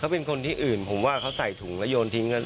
เป็นคนที่อื่นผมว่าเขาใส่ถุงแล้วโยนทิ้ง